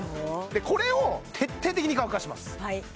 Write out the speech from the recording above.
でこれを徹底的に乾かします